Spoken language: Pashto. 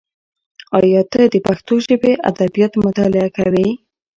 ایا ته د پښتو ژبې ادبیات مطالعه کوې؟